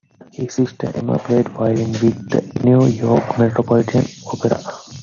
His sister Emma played violin with the New York Metropolitan Opera.